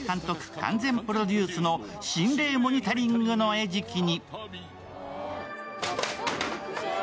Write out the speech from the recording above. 完全プロデュースの心霊モニタリングの餌食に。